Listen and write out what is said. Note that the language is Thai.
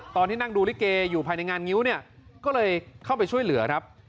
ตอนที่นั่งดูลิเกอยู่ภายในงานงิ้วเนี่ยก็เลยเข้าไปช่วยเหลือครับ